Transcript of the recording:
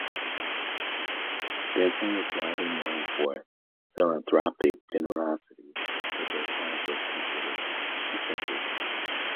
Benson was widely known for philanthropic generosity which at times was considered eccentric.